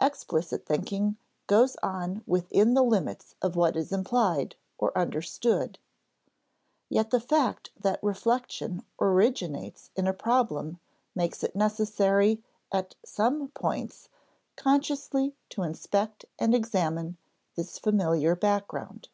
Explicit thinking goes on within the limits of what is implied or understood. Yet the fact that reflection originates in a problem makes it necessary at some points consciously to inspect and examine this familiar background.